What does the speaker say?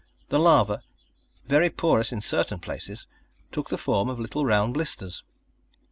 The lava, very porous in certain places, took the form of little round blisters.